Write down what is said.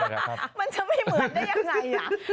มันจะไม่เหมือนได้ยังไง